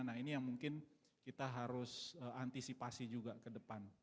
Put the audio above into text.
nah ini yang mungkin kita harus antisipasi juga ke depan